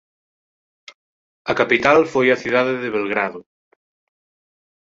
A capital foi a cidade de Belgrado.